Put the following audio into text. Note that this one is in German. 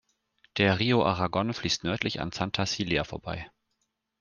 Der Rio Aragon fließt nördlich an Santa Cilia vorbei.